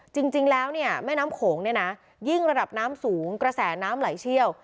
จริงแล้วเนี่ยแม่น้ำโขงเนี่ยนะยิ่งระดับน้ำสูงกระแสน้ำไหลเชี่ยว